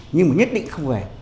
nhưng mà nhất định không về